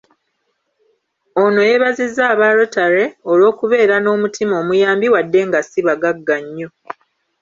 Ono yeebazizza aba "Rotary" olw’okubeera n’omutima omuyambi wadde nga si bagagga nnyo.